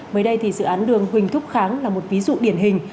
mới đây thì dự án đường huỳnh thúc kháng là một ví dụ điển hình